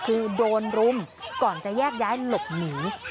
คือโดนรุมก่อนจะแยกย้ายหลบหนี